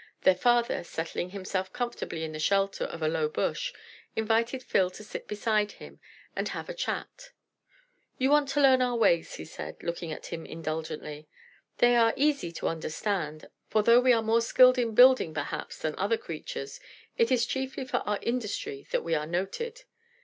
Their father, settling himself comfortably in the shelter of a low bush, invited Phil to sit beside him and have a chat. "You want to learn our ways," he said, looking at him indulgently. "They are easy to understand, for though we are more skilled in building, perhaps, than other creatures, it is chiefly for our industry that we are noted.